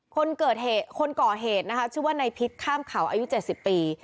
คนเกิดเหตุคนก่อเหตุนะคะชื่อว่าในพิษข้ามเขาอายุ๗๐ปี